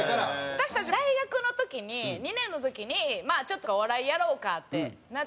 私たち大学の時に２年の時にまあちょっとお笑いやろうかってなって。